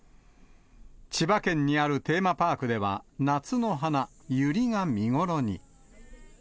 千葉県にあるテーマパークでは、夏の花、ユリが見頃に。